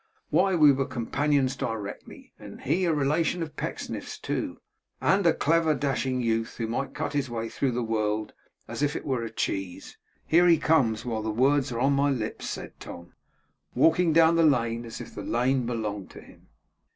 Why, we were companions directly! and he a relation of Pecksniff's too, and a clever, dashing youth who might cut his way through the world as if it were a cheese! Here he comes while the words are on my lips' said Tom; 'walking down the lane as if the lane belonged to him.